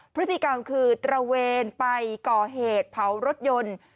พฤติกรรมคือตระเวนไปก่อเหตุเผารถยนต์